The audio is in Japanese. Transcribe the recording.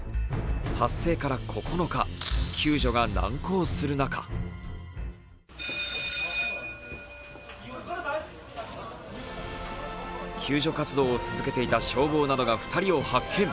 発生から９日、救助が難航する中救助活動を続けていた消防などが２人を発見。